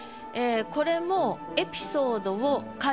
これも。